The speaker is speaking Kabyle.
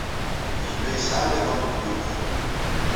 Gma yesɛa amiḍan n Twitter.